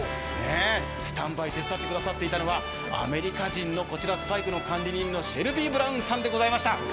スタンバイ手伝ってくださったのはアメリカ人ＳＰＩＫｅの管理人のシェルビーブラウンさんでございました。